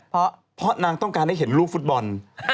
เพราะนางต้องการให้เห็นลูกฟุตบอล